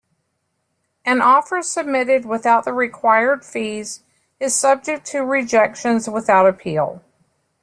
An Offer submitted without the required fees is subject to rejections without appeal.